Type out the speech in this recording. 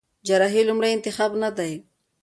جراحي لومړی انتخاب نه دی.